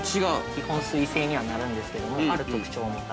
◆基本、水性にはなるんですけどもある特徴を持った。